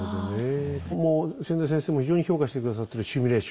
もう千田先生も非常に評価して下さってるシミュレーション。